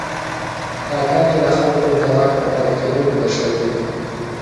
ټاکنې د خلکو د واک د پلي کیدو په درشل کې دي.